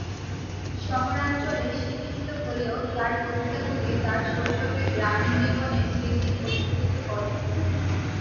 শহরাঞ্চলে শিক্ষিত হলেও তাঁর কবিতাগুলি তার শৈশবের গ্রামীণ জীবনের স্মৃতি প্রতিফলিত করে।